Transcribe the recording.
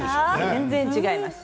全然違います。